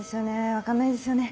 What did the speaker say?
分かんないですよね。